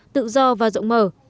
tự do và rộng mở